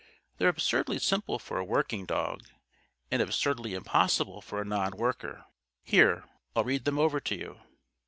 They're absurdly simple for a 'working' dog and absurdly impossible for a non worker. Here, I'll read them over to you."